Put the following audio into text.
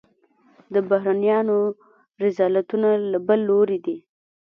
د بهرنیانو رذالتونه له بل لوري دي.